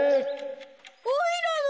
おいらの。